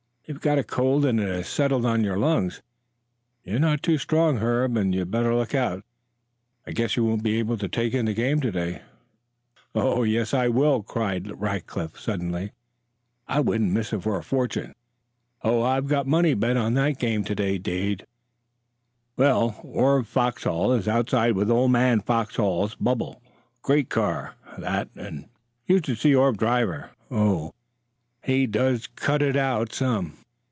"You've got a cold, and it has settled on your lungs. You're none too strong, Herb, and you'd better look out. I guess you won't be able to take in the game to day." "Yes, I will!" cried Rackliff suddenly. "I wouldn't miss it for a fortune. Oh, I've got money bet on that game, Dade." "Well, Orv Foxhall is outside with old man Foxhall's bubble. Great car, that. And you should see Orv drive her. Oh, he does cut it out some!